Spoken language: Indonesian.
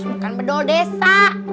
bukan bedol desa